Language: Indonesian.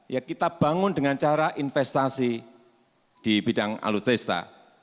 ya kita bangun dengan cara investasi di bidang alutesta